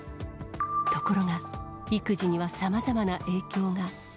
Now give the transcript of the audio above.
ところが、育児にはさまざまな影響が。